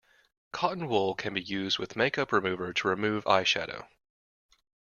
Cotton wool can be used with make-up remover to remove eyeshadow